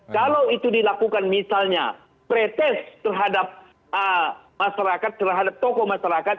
kalau itu dilakukan misalnya protes terhadap masyarakat terhadap tokoh masyarakat